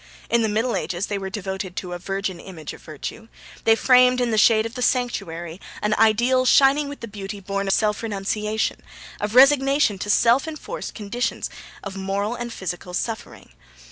In the Middle Ages they were devoted to a virgin image of Virtue; they framed, in the shade of the sanctuary, an ideal shining with the beauty born of self renunciation, of resignation to self enforced conditions of moral and physical suffering.